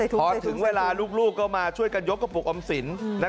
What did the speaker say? พอถึงเวลาลูกก็มาช่วยกันยกกระปุกออมสิน